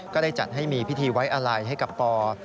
ก็ได้จัดให้มีพิธีไว้อาลัยให้กับปอ